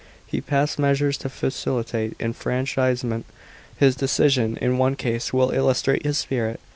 He passed measures to facilitate enfranchisement. His decision, in one case, will illustrate his spirit.